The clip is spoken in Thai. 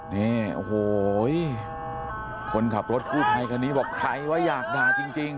เนี้ยโหยคนขับรถกลูกทายกันนี้บอกใครวะอยากด่าจริง